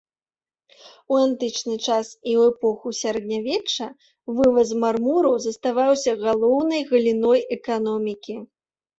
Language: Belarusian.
У антычны час і ў эпоху сярэднявечча вываз мармуру заставаўся галоўнай галіной эканомікі.